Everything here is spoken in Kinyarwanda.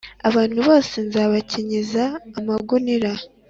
abantu bose nzabakenyeza amagunira,